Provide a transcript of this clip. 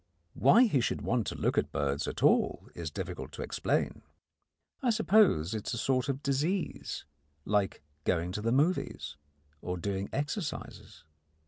Why he should want to look at birds at all it is difficult to explain. I suppose it is a sort of disease, like going to the "movies" or doing exercises.